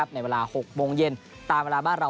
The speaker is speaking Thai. ในเวลา๖โมงเย็นตามเวลาบ้านเรา